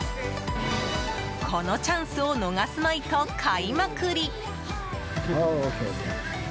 このチャンスを逃すまいと買いまくり。